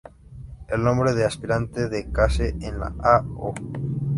El nombre de aspirante de Case en la A.'.O.'.